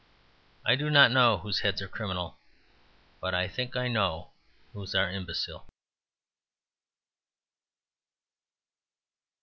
I do not know whose heads are criminal, but I think I know whose are imbecile.